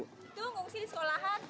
udah masuk rumah udah dalam